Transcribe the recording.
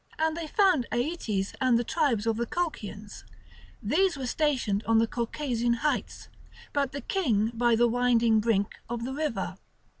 And they found Aeetes and the tribes of the Colchians; these were stationed on the Caucasian heights, but the king by the winding brink of the river.